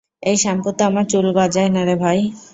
এই শ্যাম্পুতে আমার চুল গজায় নারে ভাই।